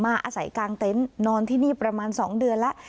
อาศัยกลางเต็นต์นอนที่นี่ประมาณ๒เดือนแล้ว